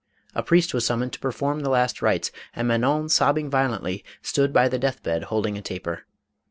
A priest was sum moned to perform the last rites, and Manon sobbing violently stood by the death bed holding a taper.